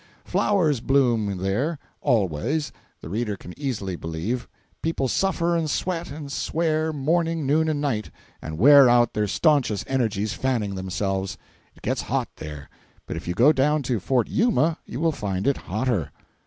Flowers bloom there, always, the reader can easily believe—people suffer and sweat, and swear, morning, noon and night, and wear out their stanchest energies fanning themselves. It gets hot there, but if you go down to Fort Yuma you will find it hotter.